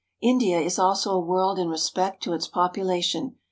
India is also a world in respect to its population.